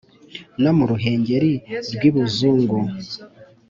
no mu ruhengeri rw’ibuzungu